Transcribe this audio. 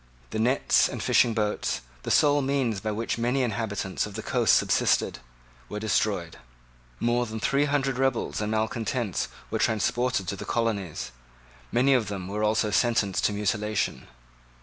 The nets and fishing boats, the sole means by which many inhabitants of the coast subsisted, were destroyed. More than three hundred rebels and malecontents were transported to the colonies. Many of them were also Sentenced to mutilation.